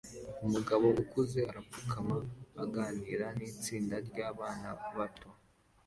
Umugabo ukuze arapfukama aganira nitsinda ryabana bato